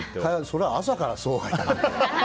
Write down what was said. それは朝からそうはいかない。